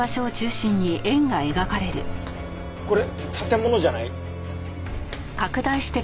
これ建物じゃない？